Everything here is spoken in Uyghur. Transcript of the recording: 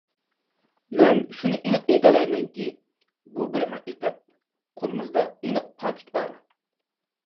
مەن شۇنى ئېنىق ئېيتالايمەنكى، بۇ بىر ھەقىقەت. قولىمىزدا ئېنىق پاكىت بار.